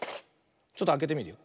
ちょっとあけてみるよ。